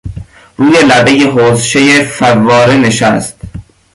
روی لبهی حوضچهی فواره نشست.